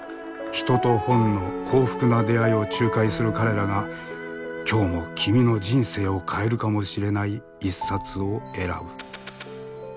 人と本の幸福な出会いを仲介する彼らが今日も君の人生を変えるかもしれない一冊を選ぶ